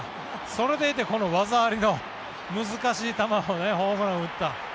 それでいてこの技ありの難しい球をホームランを打った。